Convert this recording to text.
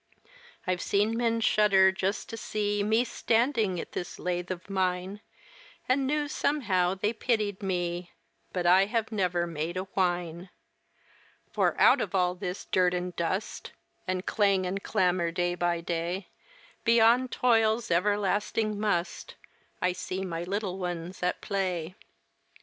I've seen men shudder just to see Me standing at this lathe of mine, And knew somehow they pitied me, But I have never made a whine; For out of all this dirt and dust And clang and clamor day by day, Beyond toil's everlasting "must," I see my little ones at play.